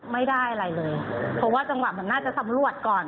ไม่ได้อะไรเลยเพราะว่าจังหวะมันน่าจะสำรวจก่อน